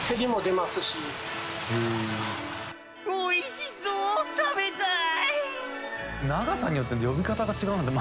おいしそう！